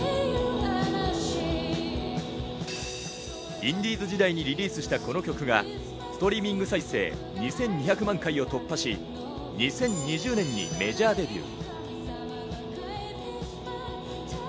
インディーズ時代にリリースしたこの曲がストリーミング再生２２００万回を突破し、２０２０年にメジャーデビュー。